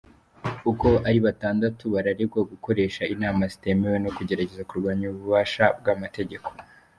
Uko ari batandatu bararegwa gukoresha inama zitemewe no kugerageza kurwanya ububasha bw'amategeko.